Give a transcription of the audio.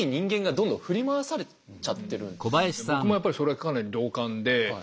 僕もやっぱりそれはかなり同感で。